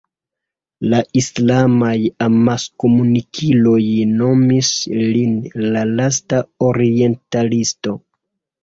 La islamaj amaskomunikiloj nomis lin "la lasta orientalisto".